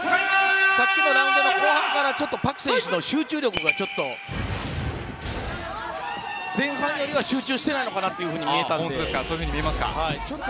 さっきのラウンドの後半からちょっとパク選手の集中力がちょっと前半より集中してないのかなと見えたので。